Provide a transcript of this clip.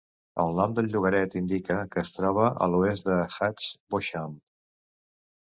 El nom del llogarret indica que es troba a l'oest de Hatch Beauchamp.